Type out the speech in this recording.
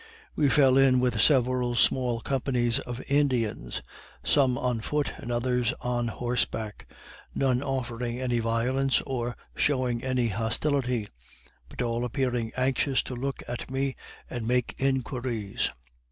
We fell in with several small companies of Indians, some on foot and others on horseback, none offering any violence or showing any hostility, but all appearing anxious to look at me and make inquiries.